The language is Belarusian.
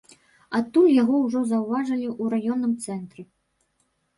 Адтуль яго ўжо заўважылі ў раённым цэнтры.